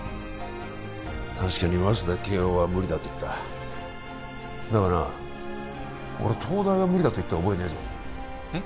確かに早稲田慶応は無理だと言っただがな俺は東大は無理だと言った覚えはないぞえっ？